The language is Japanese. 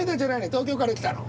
東京から来たの？